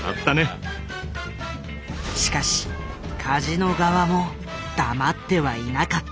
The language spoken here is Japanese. しかしカジノ側も黙ってはいなかった。